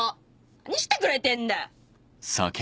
何してくれてんだよ！